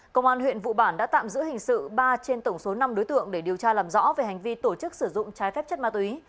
công an huyện vụ bản đã tạm giữ hình sự ba trên tổng số năm đối tượng để điều tra làm rõ về hành vi tổ chức sử dụng trái phép chất ma túy